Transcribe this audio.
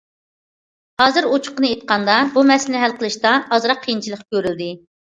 ھازىر، ئوچۇقىنى ئېيتقاندا، بۇ مەسىلىنى ھەل قىلىشتا ئازراق قىيىنچىلىق كۆرۈلدى.